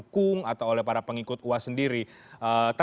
kontra agama mereka